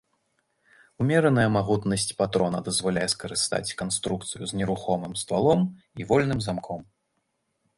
Умераная магутнасць патрона дазваляе скарыстаць канструкцыю з нерухомым ствалом і вольным замком.